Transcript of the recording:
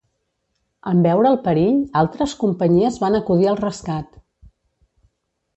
En veure el perill, altres companyies van acudir al rescat.